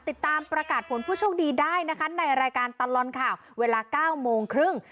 ติดตามประกาศผลผู้โชคดีได้นะคะในรายการตลอดข่าวเวลา๙โมงครึ่ง